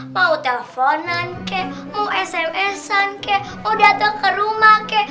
mau telponan kek mau sms an kek mau dateng kerumah kek